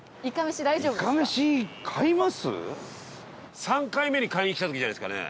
飯尾：３回目に買いに来た時じゃないですかね。